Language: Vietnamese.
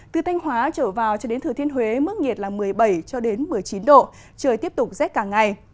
từ thanh hóa trở vào cho đến thừa thiên huế mức nhiệt là một mươi bảy một mươi chín độ trời tiếp tục rét cả ngày